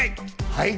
はい。